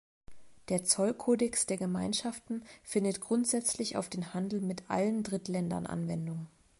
Der Zollkodex der Gemeinschaften findet grundsätzlich auf den Handel mit allen Drittländern Anwendung.